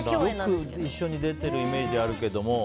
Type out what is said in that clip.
よく一緒に出ているイメージはあるけど。